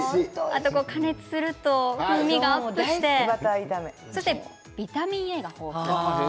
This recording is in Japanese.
加熱すると風味がアップしてビタミンＡが豊富。